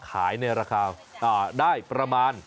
ขายในราคาได้ประมาณ